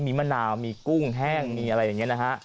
มีมะนาวมีกุ้งแห้งมีอะไรอย่างนี้นะฮะ